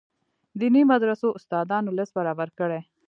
دیني مدرسو استادانو لست برابر کړي.